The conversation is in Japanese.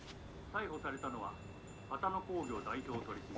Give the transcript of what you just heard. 逮捕されたのは波多野興業代表取締役」。